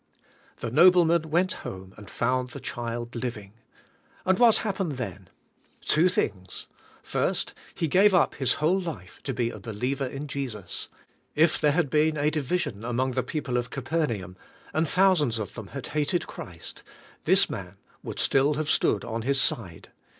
The nobleman went home and found the child living. And what happened then? Two things. First: he gave up his whole life to be a believer in Jesus. If there had been a division among the people of Capernaum, and thousands of them had hated Christ, this man would still have stood on His side.